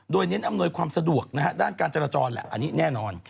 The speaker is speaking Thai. โดยเน้นอำนวยความสะดวกด้านการจราจรแหละอันนี้แน่นอน